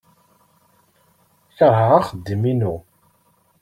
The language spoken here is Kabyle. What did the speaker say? Keṛheɣ axeddim-inu.